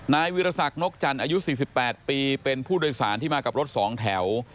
นายวิรสักนกจันทร์อายุ๔๘ปีเป็นผู้โดยสารที่มากับรถ๒แถว